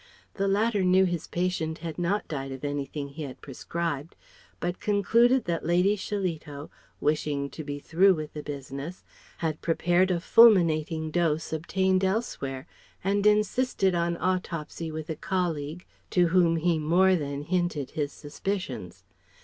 The latter knew his patient had not died of anything he had prescribed, but concluded that Lady Shillito, wishing to be through with the business, had prepared a fulminating dose obtained elsewhere; and insisted on autopsy with a colleague, to whom he more than hinted his suspicions.